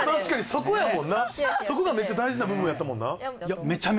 そこがめっちゃ大事な部分やったもんな。